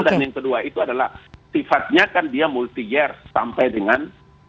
dan yang kedua itu adalah sifatnya kan dia multi year sampai dengan dua ribu dua puluh empat